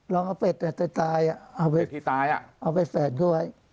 ลองเอาเป็ดตายเอาไปแฝนเข้าไว้